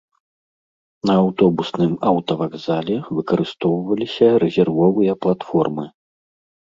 На аўтобусным аўтавакзале выкарыстоўваліся рэзервовыя платформы.